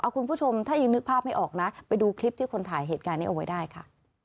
คุณผู้ชมถ้ายังนึกภาพไม่ออกนะไปดูคลิปที่คนถ่ายเหตุการณ์นี้เอาไว้ได้ค่ะ